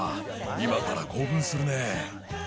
今から興奮するね。